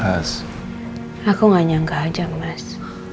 aku gak nyangka aja mas